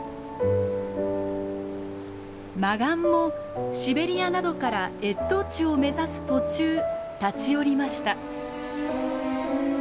マガンもシベリアなどから越冬地を目指す途中立ち寄りました。